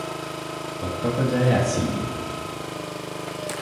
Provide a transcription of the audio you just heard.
କଟକଯାଏ ଆସିଲି ।